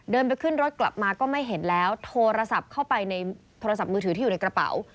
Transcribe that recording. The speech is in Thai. เดินไปขึ้นรถกลับมาก็ไม่เห็นแล้วโทรศัพท์เข้าไปในโทรศัพท์มือถือที่อยู่ในกระเป๋า